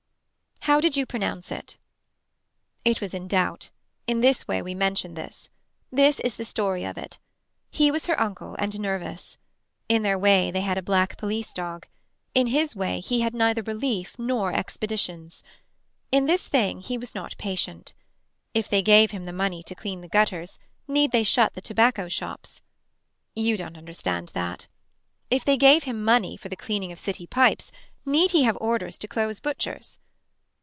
How did you pronounce it. It was in doubt. In this way we mention this. This is the story of it. He was her uncle and nervous. In their way they had a black police dog. In his way he had neither relief nor expeditions. In this thing he was not patient. If they gave him the money to clean the gutters need they shut the tobacco shops. You don't understand that If they gave him money for the cleaning of city pipes need he have orders to close butchers.